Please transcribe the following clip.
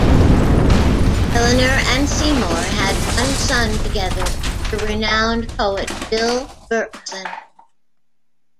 Eleanor and Seymour had one son together, the renowned poet Bill Berkson.